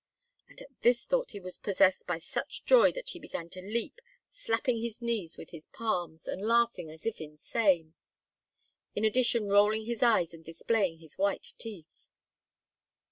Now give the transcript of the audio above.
And at this thought he was possessed by such joy that he began to leap, slapping his knees with his palms and laughing as if insane, in addition rolling his eyes and displaying his white teeth.